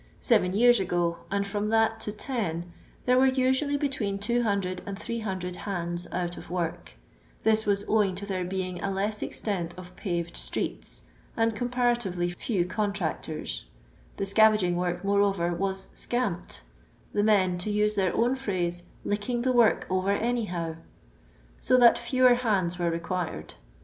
Seven yean ago, and firom that to ten, there were uanallj between 200 and 800 bands out of work ; this was owing to there being a less extent of pared atreeti, and comparatively few contractort; the tcaTngtag work, moreover, waa icamped, the men, to use their own phrase, •' licking the work over any how," so that fewer hands were required.